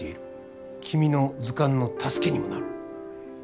君の図鑑の助けにもなる。